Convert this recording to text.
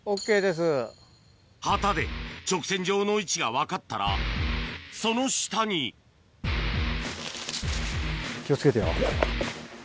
旗で直線状の位置が分かったらその下に気を付けてよ。